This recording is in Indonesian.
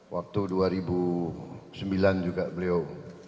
waktu dua ribu sembilan juga beliau